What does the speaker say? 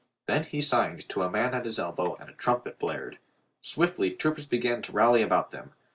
Then he signed to a man at his elbow and a trumpet blared. Swiftly troopers began to rally about them.